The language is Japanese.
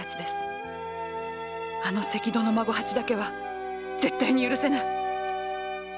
あの関戸の孫八だけは絶対に許せない！